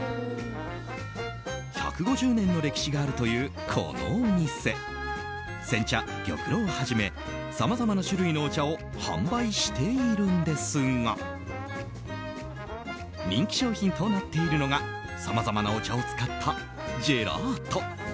１５０年の歴史があるというこのお店煎茶、玉露をはじめさまざまな種類のお茶を販売しているんですが人気商品となっているのがさまざまなお茶を使ったジェラート。